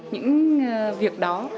những việc đó